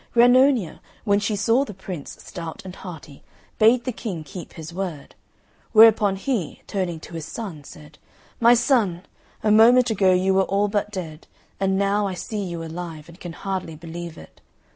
Grannonia, when she saw the Prince stout and hearty, bade the King keep his word; whereupon he, turning to his son, said, "My son, a moment ago you were all but dead, and now I see you alive, and can hardly believe it.